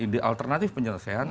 di alternatif penyelesaian